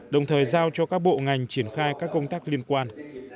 đồng thời giao cho các bộ ngành triển khai các công tác liên quan